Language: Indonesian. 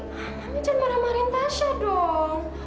mami jangan marah marahin tasya dong